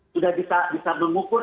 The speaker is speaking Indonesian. sudah bisa memukul